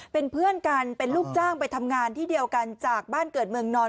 เป็นเพื่อนกันเป็นลูกจ้างไปทำงานที่เดียวกันจากบ้านเกิดเมืองนอน